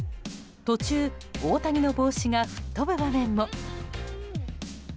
途中、大谷の帽子が吹っ飛ぶ場面も。